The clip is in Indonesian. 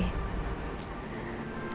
aku juga mau istirahat